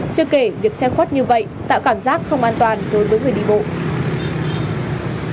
chưa kể việc che khuất như vậy tạo cảm giác không an toàn đối với người đi bộ